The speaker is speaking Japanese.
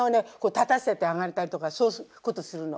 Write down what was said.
立たせてあげたりとかそういうことするの。